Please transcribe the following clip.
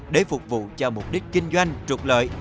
để phục vụ cho mục đích kinh doanh trục lợi